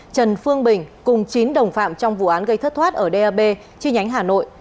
trần phương bình cùng chín đồng phạm trong vụ án gây thất thoát ở d a b chi nhánh hà nội